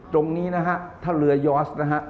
ตรงนี้นะครับถ้าเรือยอสนะครับ